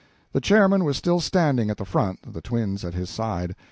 The chairman was still standing at the front, the twins at his side.